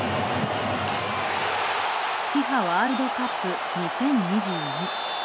ＦＩＦＡワールドカップ２０２２。